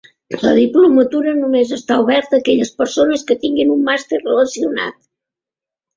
La diplomatura només està oberta a aquelles persones que tinguin un màster relacionat.